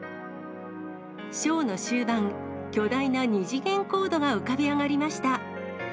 ショーの終盤、巨大な二次元コードが浮かび上がりました。